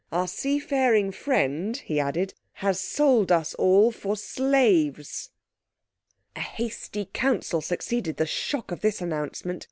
"Our seafaring friend," he added, "has sold us all for slaves!" A hasty council succeeded the shock of this announcement.